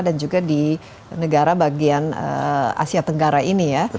dan juga di negara bagian asia tenggara ini